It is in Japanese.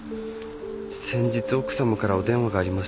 先日奥さまからお電話がありまして。